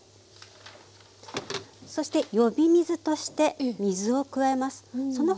そして呼び水として水を加えます。